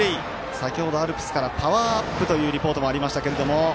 先ほどアルプスからパワーアップというリポートもありましたけど。